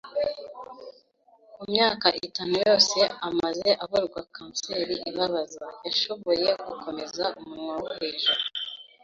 Mu myaka itanu yose amaze avurwa kanseri ibabaza, yashoboye gukomeza umunwa wo hejuru.